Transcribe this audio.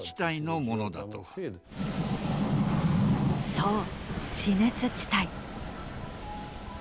そう地熱地帯。